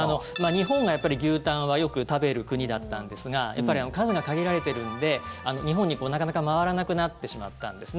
日本がやっぱり、牛タンはよく食べる国だったんですがやっぱり数が限られているんで日本になかなか回らなくなってしまったんです。